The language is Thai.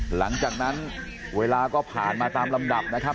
หลังจากนั้นเวลาก็ผ่านมาตามลำดับนะครับ